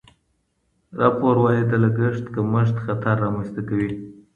راپور وايي د لګښت کمښت خطر رامنځته کوي.